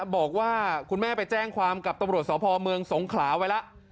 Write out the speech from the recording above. บอกว่าคุณแม่ไปแจ้งความกับตำรวจสพเมืองสงขลาไว้แล้ว